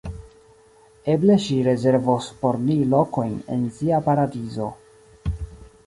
Eble ŝi rezervos por ni lokojn en sia paradizo.